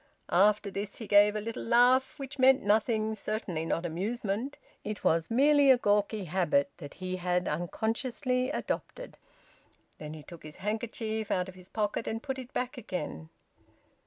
After this he gave a little laugh, which meant nothing, certainly not amusement; it was merely a gawky habit that he had unconsciously adopted. Then he took his handkerchief out of his pocket and put it back again.